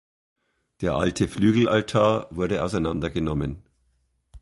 Der alte Flügelaltar wurde auseinandergenommen.